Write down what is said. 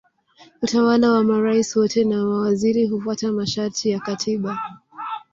utawala wa marais wote na mawaziri hufuata masharti ya katiba